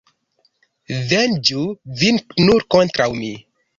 Venĝu vin nur kontraŭ mi.